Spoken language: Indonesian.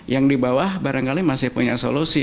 yang di bawah barangkali masih punya solusi